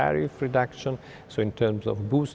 đạt được cơ hội tốt hơn